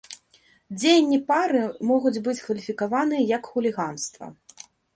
Дзеянні пары могуць быць кваліфікаваныя як хуліганства.